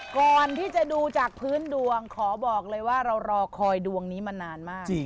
ก่อนที่จะดูจากพื้นดวงขอบอกเลยว่าเรารอคอยดวงนี้มานานมาก